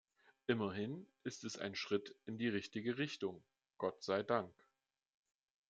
Immerhin ist es ein Schritt in die richtige Richtung, Gott sei Dank.